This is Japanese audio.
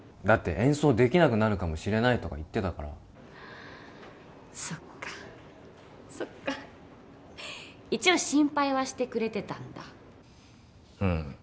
だって演奏できなくなるかもしれないとか言ってたからそっかそっか一応心配はしてくれてたんだうん